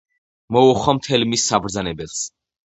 მოუხმო მთელ მის საბრძანებელს